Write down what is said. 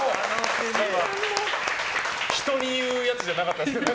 人に言うやつじゃなかったですね。